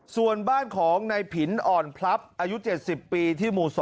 ส่วนบ้านของในผินอ่อนพลับอายุ๗๐ปีที่หมู่๒